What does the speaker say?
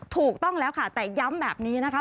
ถูกต้องแล้วค่ะแต่ย้ำแบบนี้นะคะ